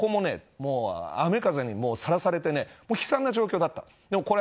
雨風にさらされて悲惨な状況だった。